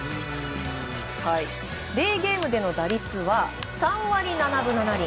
デーゲームでの打率は３割７分７厘。